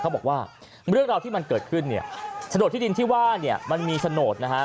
เขาบอกว่าเรื่องราวที่มันเกิดขึ้นเนี่ยโฉนดที่ดินที่ว่าเนี่ยมันมีโฉนดนะฮะ